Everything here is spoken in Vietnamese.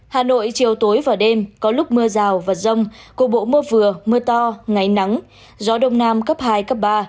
hà nội chiều tối và đêm có lúc mưa rào và rông cục bộ mưa vừa mưa to ngày nắng gió đông nam cấp hai cấp ba